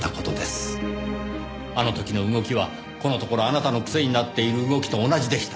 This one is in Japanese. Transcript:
あの時の動きはこのところあなたの癖になっている動きと同じでした。